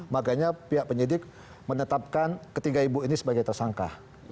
makanya pihak penyidik menetapkan ketiga ibu ini sebagai tersangka